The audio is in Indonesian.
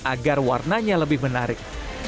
agar warnanya lebih menarik